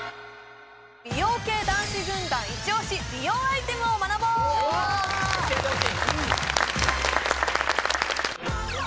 美容系男子軍団イチオシ美容アイテムを学ぼう教えてほしい！